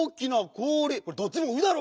「こうり」どっちも「う」だろ！